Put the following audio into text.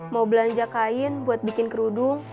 mau belanja kain buat bikin kerudung